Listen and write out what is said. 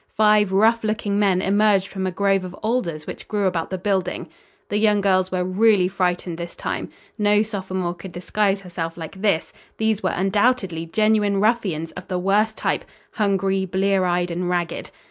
Five rough looking men emerged from a grove of alders which grew about the building. The young girls were really frightened this time. No sophomore could disguise herself like this. These were undoubtedly genuine ruffians of the worst type, hungry, blear eyed and ragged.